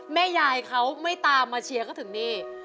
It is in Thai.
แม่ยายเขาไม่ตามมาเชียร์ก็ถึงนี่